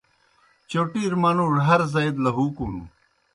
چوٹِیر منُوڙوْ ہر زائی دہ لہُوکُن۔